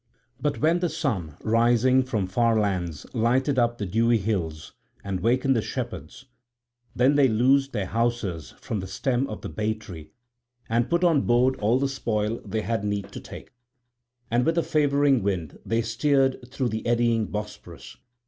But when the sun rising from far lands lighted up the dewy hills and wakened the shepherds, then they loosed their hawsers from the stem of the baytree and put on board all the spoil they had need to take; and with a favouring wind they steered through the eddying Bosporus.